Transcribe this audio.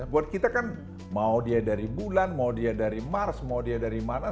buat kita kan mau dia dari bulan mau dia dari mars mau dia dari mana